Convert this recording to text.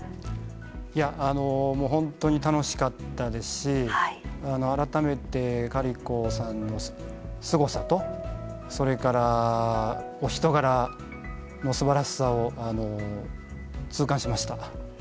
いやもう本当に楽しかったですし改めてカリコさんのすごさとそれからお人柄のすばらしさを痛感しました。